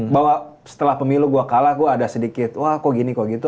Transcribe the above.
bahwa setelah pemilu gue kalah gue ada sedikit wah kok gini kok gitu